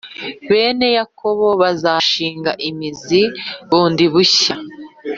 bene Yakobo bazashinga imizi bundi bushya,